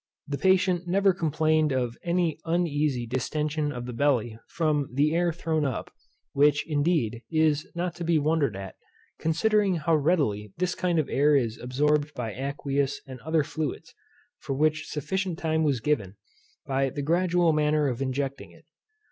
The patient never complained of any uneasy distention of the belly from the air thrown up, which, indeed, is not to be wondered at, considering how readily this kind of air is absorbed by aqueous and other fluids, for which sufficient time was given, by the gradual manner of injecting it.